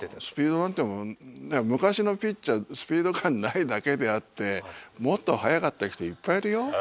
スピードなんてもん昔のピッチャースピード感ないだけであってもっと速かった人いっぱいいるよ。